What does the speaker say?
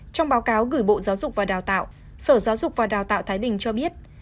trong báo cáo gửi bộ giáo dục và đào tạo sở giáo dục và đào tạo thái bình cho biết